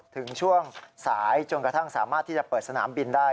ถึงช่วงสายจนกระทั่งสามารถที่จะเปิดสนามบินได้